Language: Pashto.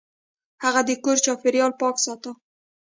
هغه د کور چاپیریال پاک ساته.